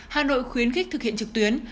hà nội khuyến khích thực hiện trực tuyến